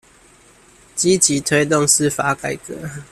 積極推動司法改革